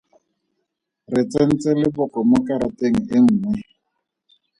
Re tsentse leboko mo karateng e nngwe.